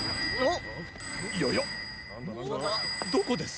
どこです？